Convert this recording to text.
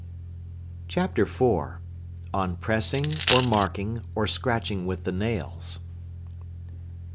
CHAPTER IV. ON PRESSING, OR MARKING, OR SCRATCHING WITH THE NAILS.